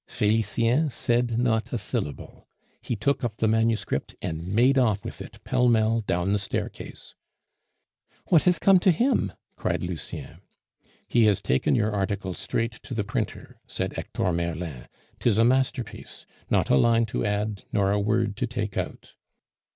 Felicien said not a syllable. He took up the manuscript, and made off with it pell mell down the staircase. "What has come to him?" cried Lucien. "He has taken your article straight to the printer," said Hector Merlin. "'Tis a masterpiece; not a line to add, nor a word to take out."